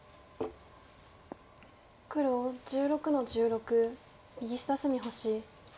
黒１６の十六右下隅星。